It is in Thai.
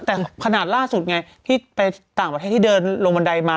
แต่ขนาดล่าสุดไงพี่ไปต่างประเทศที่เดินลงบันไดมา